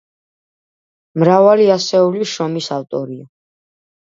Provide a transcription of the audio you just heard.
მრავალი ასეული შრომის ავტორია.